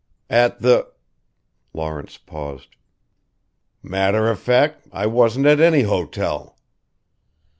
"At the " Lawrence paused. "Matter of fact, I wasn't at any hotel."